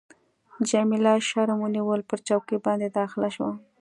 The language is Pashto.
جميله شرم ونیول، پر چوکۍ باندي داخله شوه.